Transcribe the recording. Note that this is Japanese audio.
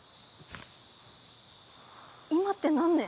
今って何年？